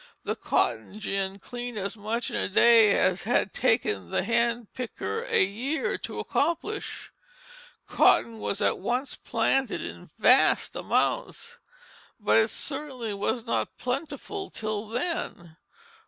The cotton gin cleaned as much in a day as had taken the hand picker a year to accomplish. Cotton was at once planted in vast amounts; but it certainly was not plentiful till then.